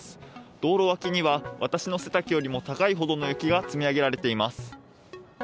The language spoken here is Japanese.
道路脇には、私の背丈よりも高いほどの雪が積み上げられています。